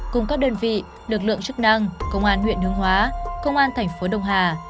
cùng các đơn vị lực lượng chức năng công an huyện hướng hóa công an thành phố đông hà